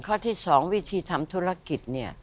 เพราะที่๒วิธีทำธุรกิจ